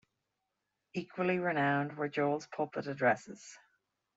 Equally renowned were Joel's pulpit addresses.